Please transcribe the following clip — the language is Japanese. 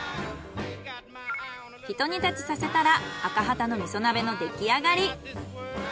ひと煮立ちさせたらアカハタの味噌鍋のできあがり。